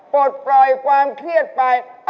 ปลดปล่อยความเครียดไป